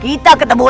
kita ketemu lagi